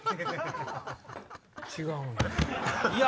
違うんや。